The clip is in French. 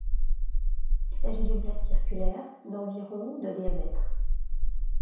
Il s'agit d'une place circulaire, d'environ de diamètre.